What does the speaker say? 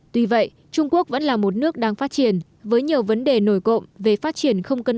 tuy vậy trung quốc vẫn là một nước đang phát triển với nhiều vấn đề nổi cộng về phát triển không cân